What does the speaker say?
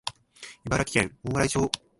茨城県大洗町